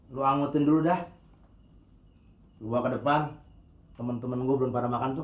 lu anggotin dulu dah hai gua ke depan temen temen gua belum pada makan tuh